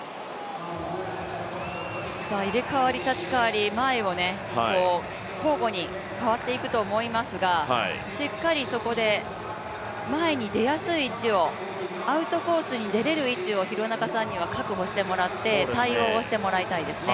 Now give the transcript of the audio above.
入れ代わり立ち代わり、前を交互に代わっていくと思いますがしっかりそこで前に出やすい位置をアウトコースに出れる位置を廣中さんには確保してもらって、対応してもらいたいですね。